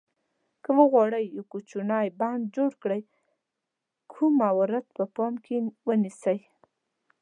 که وغواړئ یو کوچنی بڼ جوړ کړئ کوم موارد په پام کې ونیسئ.